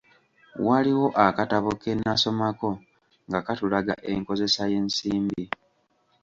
Waliwo akatabo ke nnasomako nga katulaga enkozesa y'ensimbi.